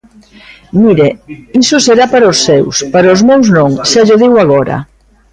Mire, iso será para os seus, para os meus non, xa llo digo agora.